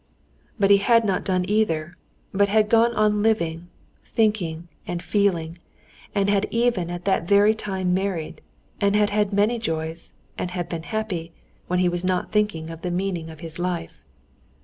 But he had not done either, but had gone on living, thinking, and feeling, and had even at that very time married, and had had many joys and had been happy, when he was not thinking of the meaning of his life.